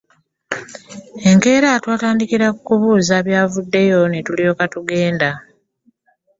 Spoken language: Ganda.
Enkeera twatandikira ku kubuuza byavuddeyo ne tulyoka tugenda.